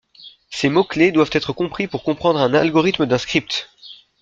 Ces mots-clé doivent être compris pour comprendre un algorithme d'un script.